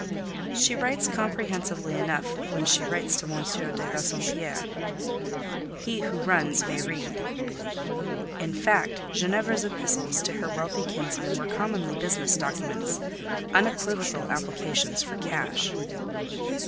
"She writes comprehensively enough when she writes to M. de Bassompierre: he who runs may read." (In fact, Ginevra's epistles to her wealthy kinsman were commonly business documents, unequivocal applications for cash.)